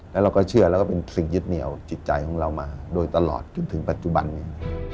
แล้วเราก็เชื่อแล้วก็เป็นสิ่งยึดเหนียวจิตใจของเรามาโดยตลอดจนถึงปัจจุบันนี้